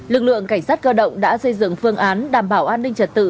lực lượng cảnh sát cơ động đã xây dựng phương án đảm bảo an ninh trật tự